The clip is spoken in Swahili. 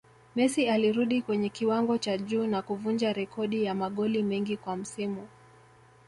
Messi alirudi kwenye kiwango cha juu na kuvunja rekodi ya magoli mengi kwa msimu